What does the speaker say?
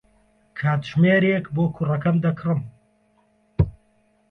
کاتژمێرێک بۆ کوڕەکەم دەکڕم.